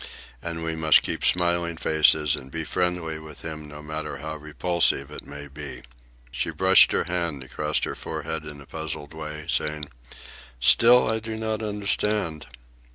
And we must keep smiling faces and be friendly with him no matter how repulsive it may be." She brushed her hand across her forehead in a puzzled way, saying, "Still I do not understand."